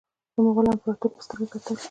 د مغولو امپراطور په سترګه کتل.